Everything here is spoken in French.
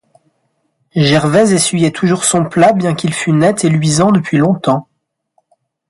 Gervaise essuyait toujours son plat, bien qu'il fût net et luisant depuis longtemps.